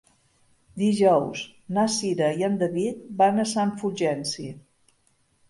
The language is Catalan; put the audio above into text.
Dijous na Cira i en David van a Sant Fulgenci.